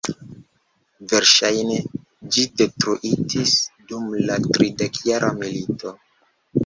Verŝajne ĝi detruitis dum la Tridekjara milito.